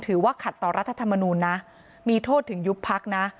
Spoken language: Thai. ถือว่าขัดต่อรัฐธรรมนูลนะมีโทษถึงยุบพักนะ